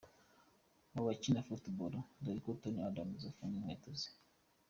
Ku bakina Football, dore uko Tony Adams afunga inkweto ze.